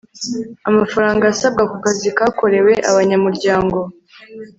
amafaranga asabwa ku kazi kakorewe abanyamuryango